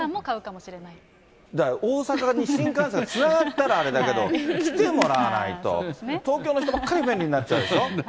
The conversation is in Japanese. もう大阪に新幹線つながったらあれだけど、来てもらわないと、東京の人ばっかり便利になっちゃうでしょ。